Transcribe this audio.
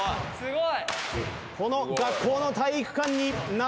すごい。